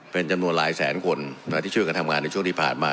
เป็นจำนวนหลายแสนคนที่ช่วยกันทำงานในช่วงที่ผ่านมา